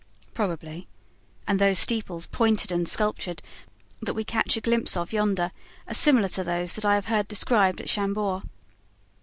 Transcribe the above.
"Probably; and those steeples, pointed and sculptured, that we catch a glimpse of yonder, are similar to those that I have heard described at Chambord."